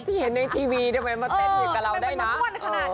เทียดในทีวีทำไมมันเต้นอยู่กับเราได้นะ